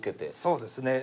そうですね。